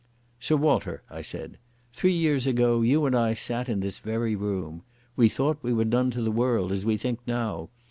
"Sir Walter," I said, "three years ago you and I sat in this very room. We thought we were done to the world, as we think now.